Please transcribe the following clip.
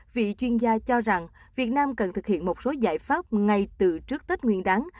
vị chuyên gia cho rằng việt nam cần thực hiện một số giải pháp ngay từ trước tết nguyên đáng